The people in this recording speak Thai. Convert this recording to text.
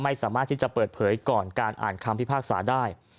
ไม่สามารถที่จะเปิดเผยก่อนการอ่านคำพิพากษาได้